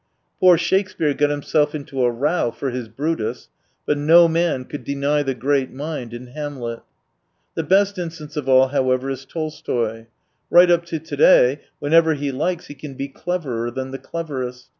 Poor Shakespeare got himself into a row for his Brutus — but no man could deny the great mind in Hamlet. The best instance of all, however, is Tolstoy. Right up to to day, whenever he likes he can be cleverer than the cleverest.